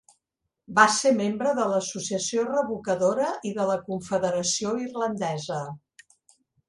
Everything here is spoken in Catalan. Va ser membre de l'Associació Revocadora i de la Confederació Irlandesa.